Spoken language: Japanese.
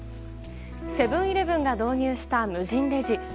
セブン‐イレブンが導入した無人レジ。